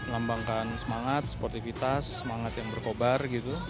lambangkan semangat sportivitas semangat yang berkobar gitu